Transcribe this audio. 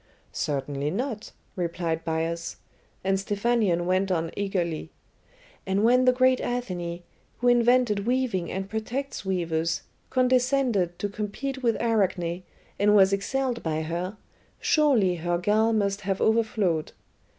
"Certainly not," replied Bias, and Stephanion went on eagerly: "And when the great Athene, who invented weaving and protects weavers, condescended to compete with Arachne, and was excelled by her, surely her gall must have overflowed.